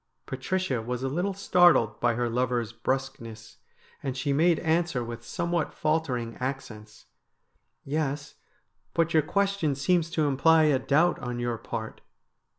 Patricia was a little startled by her lover's brusqueness, and she made answer with somewhat faltering accents :' Yes, but your question seems to imply a doubt on your part.'